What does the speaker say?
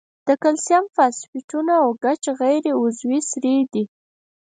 د کلسیم فاسفیټونه او ګچ غیر عضوي سرې دي.